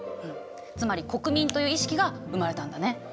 つまり国民という意識が生まれたんだね。